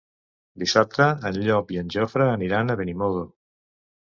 Dissabte en Llop i en Jofre aniran a Benimodo.